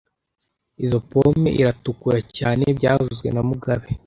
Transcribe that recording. Izoi pome iratukura cyane byavuzwe na mugabe